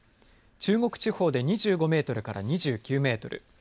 中国地方で２５メートルから２９メートル